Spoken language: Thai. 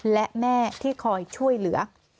และแม่ที่คอยช่วยเหลือ